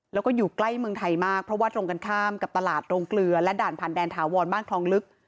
แล้วก็อยู่ใกล้เมืองไทยมากเพราะว่าตรงกันข้ามกับตลาดโรงเกลือและด่านผ่านแดนถาวรบ้านคลองลึก